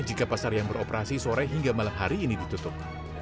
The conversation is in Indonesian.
jika pasar yang beroperasi sore hingga malam hari ini ditutup